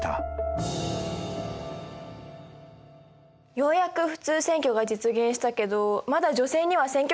ようやく普通選挙が実現したけどまだ女性には選挙権がなかったんだね。